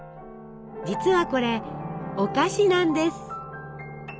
実はこれお菓子なんです！